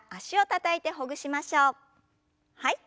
はい。